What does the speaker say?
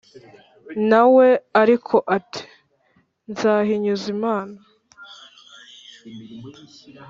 Na we ariko ati "Nzahinyuza Imana".